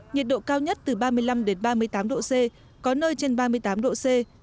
nhiệt độ cao nhất từ ba mươi năm ba mươi tám độ c có nơi trên ba mươi tám độ c